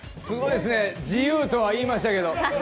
すごいですね自由とはいいましたけど。